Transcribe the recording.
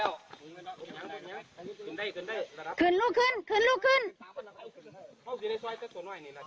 โอ้ตาย